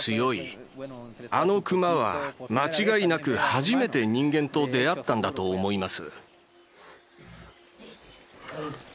あのクマは間違いなく初めて人間と出会ったんだと思います。